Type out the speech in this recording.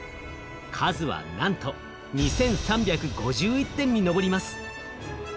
数はなんと２，３５１点に上ります。